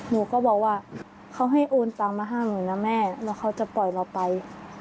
หนูก็บอกว่าเขาให้โอนตังค์มาให้หนูนะแม่เดี๋ยวเขาจะปล่อยเราไป